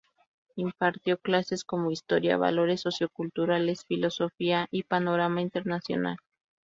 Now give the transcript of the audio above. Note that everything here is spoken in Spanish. Impartió clases como historia, valores socioculturales, filosofía y panorama internacional.